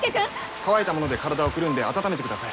乾いたもので体をくるんで温めてください。